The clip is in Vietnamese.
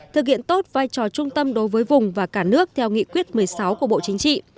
thực hiện tốt vai trò trung tâm đối với vùng và cả nước theo nghị quyết một mươi sáu của bộ chính trị